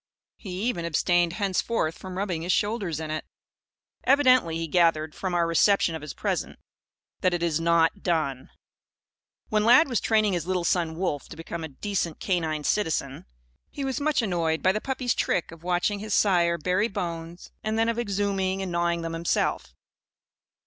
He even abstained henceforth from rubbing his shoulders in it. Evidently he gathered, from our reception of his present, that "it is not done." When Lad was training his little son, Wolf, to become a decent canine citizen, he was much annoyed by the puppy's trick of watching his sire bury bones and then of exhuming and gnawing them himself.